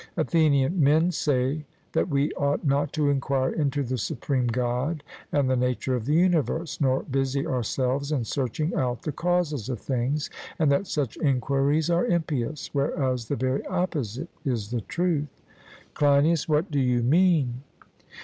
ATHENIAN: Men say that we ought not to enquire into the supreme God and the nature of the universe, nor busy ourselves in searching out the causes of things, and that such enquiries are impious; whereas the very opposite is the truth. CLEINIAS: What do you mean?